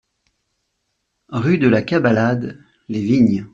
Rue de la Cabalade, Les Vignes